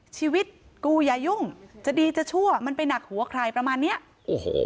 ชีวิตกูอย่ายุ่งจะดีจะชั่วมันไปหนักหัวใครประมาณเนี้ยโอ้โห